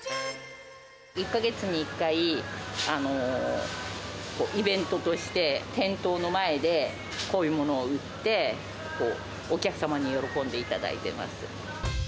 １か月に１回、イベントとして、店頭の前でこういうものを売って、お客様に喜んでいただいてます。